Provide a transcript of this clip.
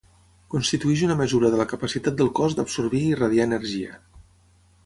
Constitueix una mesura de la capacitat del cos d'absorbir i radiar energia.